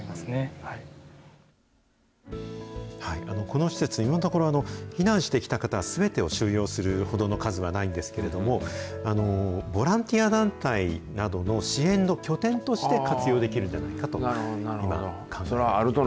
この施設、今のところ、避難してきた方すべてを収容するほどの数はないんですけれども、ボランティア団体などの支援の拠点として、活用できるんじゃないかと、今、考えられいると。